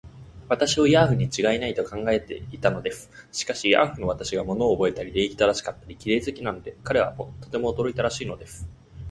私をヤーフにちがいない、と考えていたのです。しかし、ヤーフの私が物をおぼえたり、礼儀正しかったり、綺麗好きなので、彼はとても驚いたらしいのです。